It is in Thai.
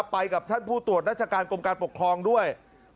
ไปกับท่านผู้ตรวจราชการกรมการปกครองด้วย